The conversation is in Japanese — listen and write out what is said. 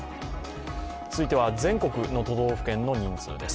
続いては全国の都道府県の人数です。